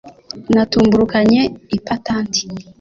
Natumburukanye ipatanti,